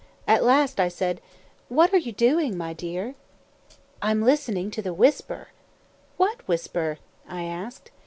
At last I said, "What are you doing, my dear?" "I am listening to the whisper." "What whisper?" I asked.